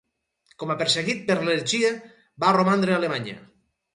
Com a perseguit per heretgia, va romandre a Alemanya.